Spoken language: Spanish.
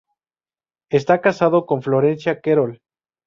Esta casado con Florencia Querol.